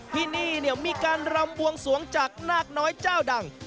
ที่นี่มีการรำบวงสวงจากนาคน้อยเจ้าดัง